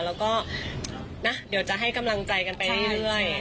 แล้วก็เดี๋ยวจะให้กำลังใจกันไปเรื่อย